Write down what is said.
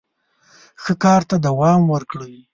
ښه کار ته دوام ورکړئ.